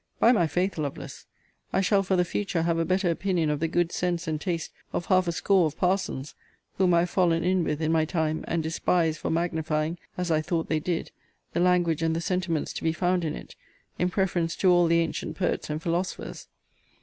By my faith, Lovelace, I shall for the future have a better opinion of the good sense and taste of half a score of parsons, whom I have fallen in with in my time, and despised for magnifying, as I thought they did, the language and the sentiments to be found in it, in preference to all the ancient poets and philosophers.